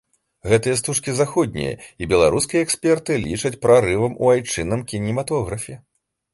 Гэтыя стужкі заходнія і беларускія эксперты лічаць прарывам у айчынным кінематографе.